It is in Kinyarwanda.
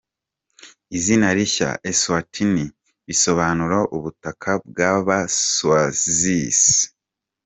Izina rishya "eSwatini" bisobanura "ubutaka bw’Aba-Swazis".